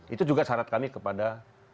itu juga syarat kami kepada